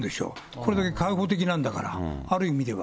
これだけ開放的なんだから、ある意味では。